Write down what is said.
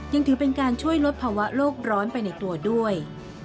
ยังถือเป็นการช่วยลดภาวะโลกร้อนไปในตัวด้วย